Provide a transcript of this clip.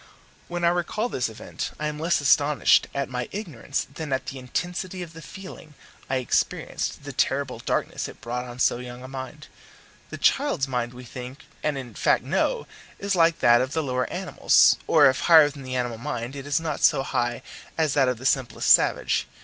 When I recall this event I am less astonished at my ignorance than at the intensity of the feeling I experienced, the terrible darkness it brought on so young a mind. The child's mind we think, and in fact know, is like that of the lower animals; or if higher than the animal mind, it is not so high as that of the simplest savage.